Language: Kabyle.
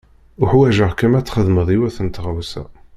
Uḥwaǧeɣ-kem ad txedmeḍ yiwet n tɣawsa.